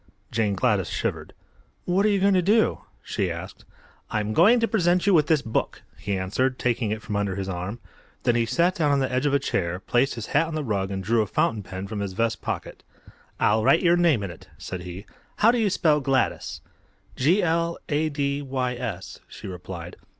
Jane Gladys shivered. "What are you going to do?" she asked. "I'm going to present you with this book," he answered, taking it from under his arm. Then he sat down on the edge of a chair, placed his hat on the rug and drew a fountain pen from his vest pocket. "I'll write your name in it," said he. "How do you spell Gladys?" "G l a d y s," she replied.